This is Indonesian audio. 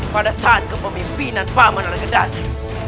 pada saat kepemimpinan paman argedati